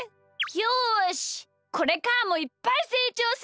よしこれからもいっぱいせいちょうするぞ！